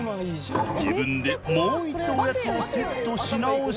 自分でもう一度おやつをセットし直し。